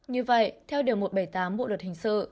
như vậy theo điều một trăm bảy mươi tám bộ luật hình sự